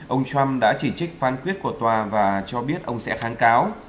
ông trump đã chỉ trích phán quyết của tòa và cho biết ông sẽ kháng cáo